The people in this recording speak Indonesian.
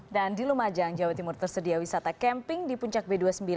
dan di lumajang jawa timur tersedia wisata camping di puncak b dua puluh sembilan